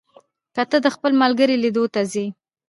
که ته د خپل ملګري لیدو ته ځې،